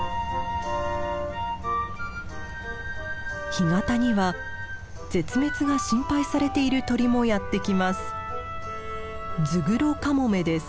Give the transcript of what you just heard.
干潟には絶滅が心配されている鳥もやって来ます。